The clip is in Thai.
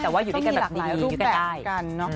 แต่ว่าอยู่ด้วยกันแบบนี้อยู่ด้วยกันได้